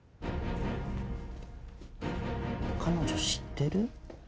彼女知ってる？